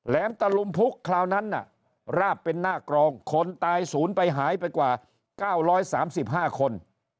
ตะลุมพุกคราวนั้นราบเป็นหน้ากรองคนตายศูนย์ไปหายไปกว่า๙๓๕คน